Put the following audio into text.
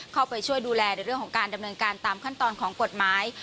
เข้าไปช่วยดูแลในเรื่องของการดำเนินการตามขั้นตอนของกฎหมาย